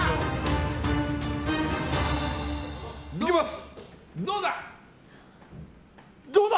行きます！